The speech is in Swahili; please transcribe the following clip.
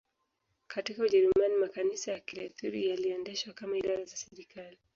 katika Ujerumani makanisa ya Kilutheri yaliendeshwa kama idara za serikali